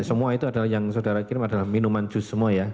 semua itu adalah yang saudara kirim adalah minuman jus semua ya